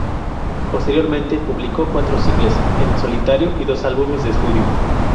Posteriormente publicó cuatro "singles" en solitario y dos álbumes de estudio.